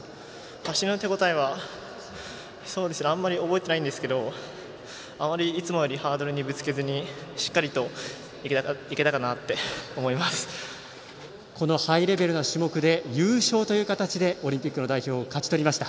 あまり覚えていないんですけれどいつもよりハードルにぶつけずにしっかりとこのハイレベルな種目で優勝という形でオリンピックの代表を勝ち取りました。